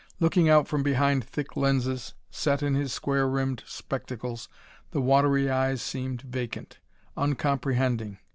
Looking out from behind thick lenses set in his square rimmed spectacles, the watery eyes seemed vacant; uncomprehending.